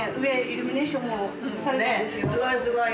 すごいすごい！